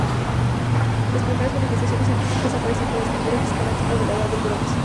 Las primeras manifestaciones artísticas aparecen con las pinturas esquemáticas de la Edad del Bronce.